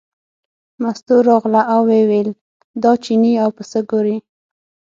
مستو راغله او ویې ویل دا چینی او پسه ګورې.